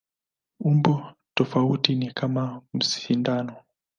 Umbo tofauti ni kama sindano.